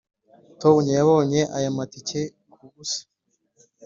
tom yabonye aya matike kubusa.